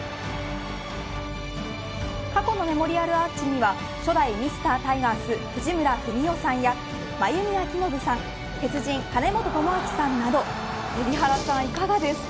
過去のメモリアルアーチには初代ミスタータイガース藤村富美男さんや真弓明信さん鉄人、金本知憲さんなど海老原さん、いかがですか。